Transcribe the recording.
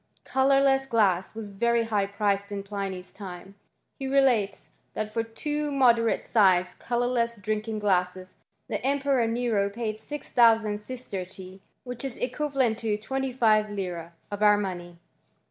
Colourless glass was very high priced in Pliny's time. He relates, that for two moderate sized colourless drinking glasses the Emperor Nero paid 6000 sistertii, .. which is equivalent to 25Z. of our money.